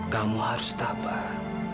kamu harus tabat